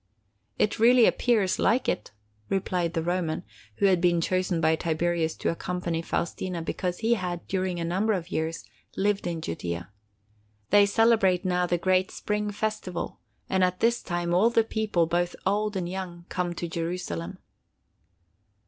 "It really appears like it," replied the Roman, who had been chosen by Tiberius to accompany Faustina because he had, during a number of years, lived in Judea. "They celebrate now the great Spring Festival, and at this time all the people, both old and young, come to Jerusalem."